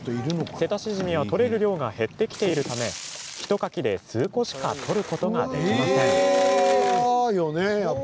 セタシジミは取れる量が減ってきているためひとかきで数個しか取ることができません。